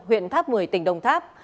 huyện tháp một mươi tỉnh đồng tháp